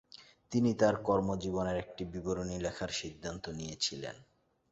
তিনি তার কর্মজীবনের একটি বিবরণী লেখার সিদ্ধান্ত নিয়েছিলেন।